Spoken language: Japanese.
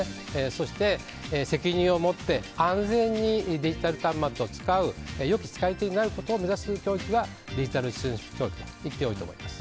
そして責任を持って安全にデジタル端末を使う良き使い手になること目指す教育がデジタル・シティズンシップ教育と言ってよいと思います。